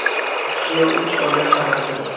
Ikki yo uch oylar chamasi